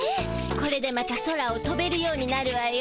これでまた空を飛べるようになるわよ。